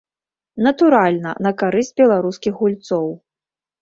Натуральна, на карысць беларускіх гульцоў.